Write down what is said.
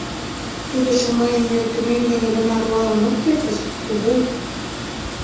— Тудыжо мыйын нӧлтымем дене гына руалын ок кертыс, кугу.